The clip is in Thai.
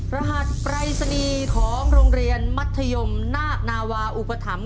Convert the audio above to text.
รหัสปรายศนีย์ของโรงเรียนมัธยมนาคนาวาอุปถัมภ